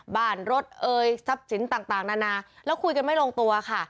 บ้านรถเอ่ยทรัพย์สินต่างนานาแล้วคุยกันไม่ลงตัวค่ะ